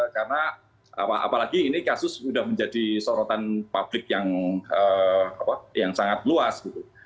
karena apalagi ini kasus sudah menjadi sorotan publik yang sangat luas